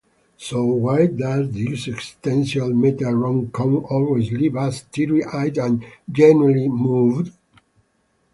So why does this existential meta-rom-com always leave us teary-eyed and genuinely moved?...